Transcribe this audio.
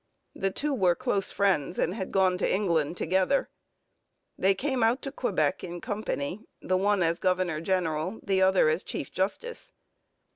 The two were close friends and had gone to England together. They came out to Quebec in company, the one as governor general, the other as chief justice.